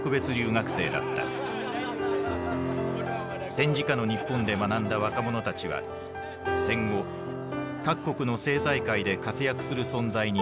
戦時下の日本で学んだ若者たちは戦後各国の政財界で活躍する存在になっていた。